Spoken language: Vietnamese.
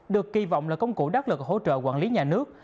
được kỳ vọng là công cụ đắc lực hỗ trợ quản lý nhà nước